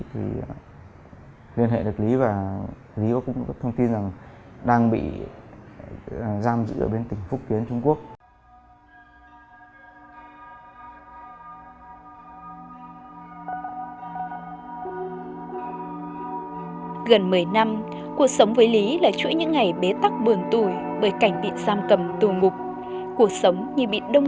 thì liên hệ được lý và lý cũng có thông tin rằng đang bị giam giữ ở bên tỉnh phúc kiến